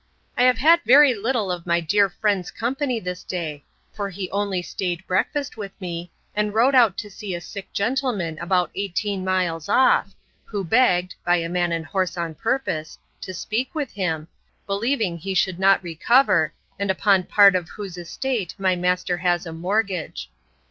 I have had very little of my dear friend's company this day; for he only staid breakfast with me, and rode out to see a sick gentleman about eighteen miles off, who begged (by a man and horse on purpose) to speak with him, believing he should not recover, and upon part of whose estate my master has a mortgage.